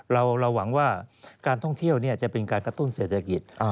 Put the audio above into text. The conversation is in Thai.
เราหวังว่าการท่องเที่ยวจะเป็นการกระตุ้นเศรษฐกิจ